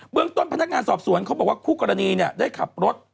เมืองต้นพนักงานสอบสวนเขาบอกว่าคู่กรณีได้ขับรถ